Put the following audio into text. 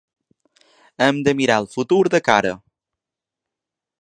Hem de mirar el futur de cara.